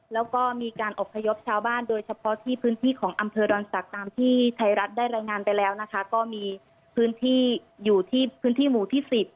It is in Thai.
แล้วก็มีการอบพยพชาวบ้านโดยเฉพาะที่พื้นที่ของอำเภอดอนศักดิ์ตามที่ไทยรัฐได้รายงานไปแล้วนะคะก็มีพื้นที่อยู่ที่พื้นที่หมู่ที่สิบ